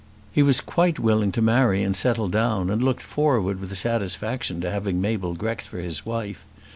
He was quite willing to marry and settle down, and looked forward with satisfaction to having Mabel Grex for his wife.